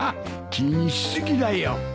気にし過ぎだよ。